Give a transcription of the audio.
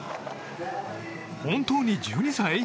本当に１２歳？